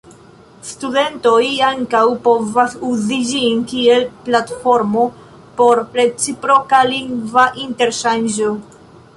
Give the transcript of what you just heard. Studentoj ankaŭ povas uzi ĝin kiel platformo por reciproka lingva interŝanĝo.